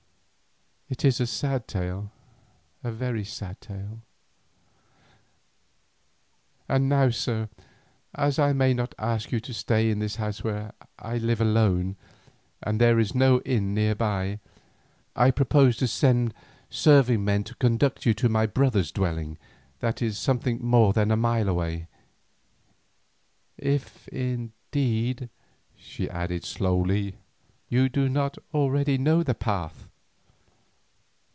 It is a sad tale, a very sad tale. And now, sir, as I may not ask you to stay in this house where I live alone, and there is no inn near, I propose to send serving men to conduct you to my brother's dwelling that is something more than a mile away, if indeed," she added slowly, "you do not already know the path!